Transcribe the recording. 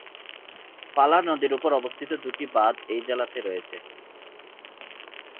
পালার নদীর উপর অবস্থিত দুটি বাদ এই জেলাতে রয়েছে।